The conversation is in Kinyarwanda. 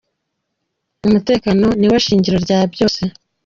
Umutekano ni wo shingiro rya byose.